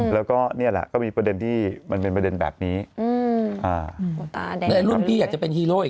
แล้วก็นี่แหละก็มีประเด็นที่มันเป็นประเด็นแบบนี้ในรุ่นพี่อยากจะเป็นฮีโร่อีก